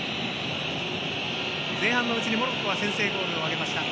前半のうちにモロッコは先制ゴールを挙げました。